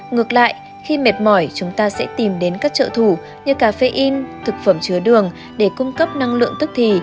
ngược lại khi mệt mỏi chúng ta sẽ tìm đến các trợ thủ như cà phê in thực phẩm chứa đường để cung cấp năng lượng tức thì